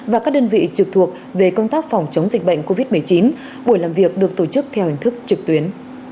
và các đơn vị trực thuộc về công tác phòng chống dịch bệnh covid một mươi chín buổi làm việc được tổ chức theo hình thức trực tuyến